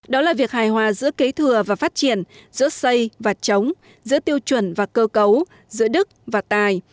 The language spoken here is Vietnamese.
đó là việc hài hòa giữa kế thừa và phát triển giữa xây và chống giữa tiêu chuẩn và cơ cấu giữa đức và tài